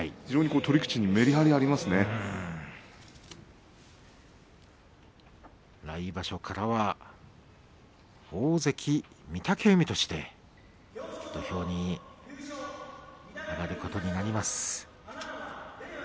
非常に取り口にメリハリが来場所からは大関御嶽海として土俵に上がることになります。